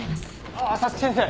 ああ早月先生！